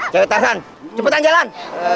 cewe terserah cepetan jalan